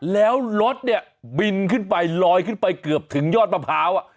แล้วรถเนี่ยบินขึ้นไปลอยขึ้นไปเกือบถึงยอดมะพร้าว